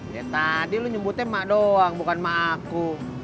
ya tadi lo nyembutnya emak doang bukan emak aku